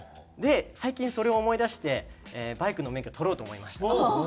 で最近それを思い出してバイクの免許取ろうと思いました。